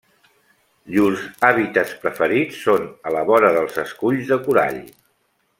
Llurs hàbitats preferits són a la vora dels esculls de corall.